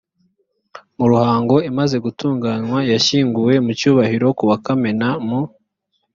wa ruhango imaze gutunganywa yashyinguwe mu cyubahiro kuwa kamena mu